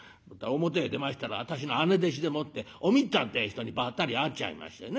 「表へ出ましたら私の姉弟子でもっておみっつぁんってえ人にばったり会っちゃいましてね